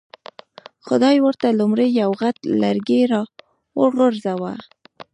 خدای ورته لومړی یو غټ لرګی را وغورځاوه.